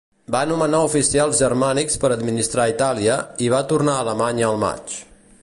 Va nomenar oficials germànics per administrar Itàlia i va tornar a Alemanya el maig.